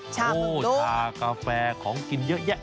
ชาเบื้องรุ่นโอ๊วชากาแฟของกินเยอะแยะ